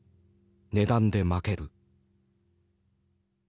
値段で負ける。